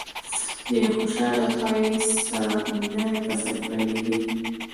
د یوه خوشاله پای سره نوی فصل پیل کړئ.